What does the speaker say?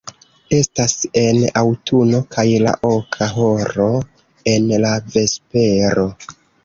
Estas en aŭtuno kaj la oka horo en la vespero.